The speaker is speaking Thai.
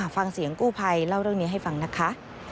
ฟังเสียงกู้ภัยเล่าเรื่องนี้ให้ฟังนะคะ